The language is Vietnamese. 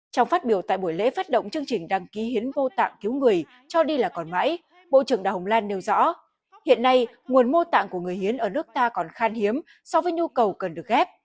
trong phát biểu tại buổi lễ phát động chương trình đăng ký hiến mô tạng cứu người cho đi là còn mãi bộ trưởng đào hồng lan nêu rõ hiện nay nguồn mô tạng của người hiến ở nước ta còn khan hiếm so với nhu cầu cần được ghép